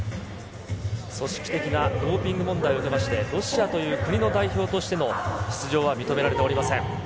組織的なドーピング問題を受けまして、ロシアという国の代表としての出場は認められておりません。